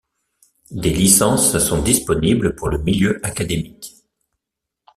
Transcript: Des licences sont disponibles pour le milieu académique.